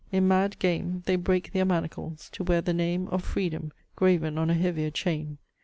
In mad game They break their manacles, to wear the name Of freedom, graven on a heavier chain.